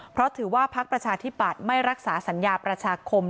เพราะถือว่าพักประชาธิปัตย์ไม่รักษาสัญญาประชาคม